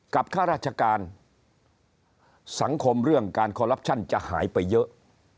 ข้าราชการสังคมเรื่องการคอลลับชั่นจะหายไปเยอะ